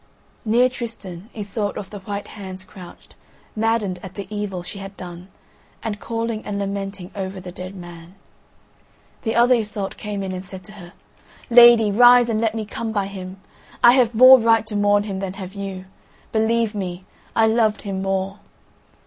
Near Tristan, Iseult of the White Hands crouched, maddened at the evil she had done, and calling and lamenting over the dead man. The other Iseult came in and said to her: "Lady, rise and let me come by him; I have more right to mourn him than have you—believe me. I loved him more."